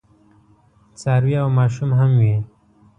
څاروي او ماشوم هم وي.